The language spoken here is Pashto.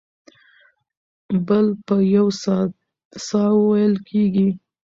بل په یو ساه وېل کېږي.